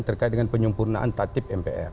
terkait dengan penyempurnaan tatip mpr